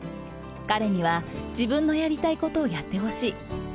彼には自分のやりたいことをやってほしい。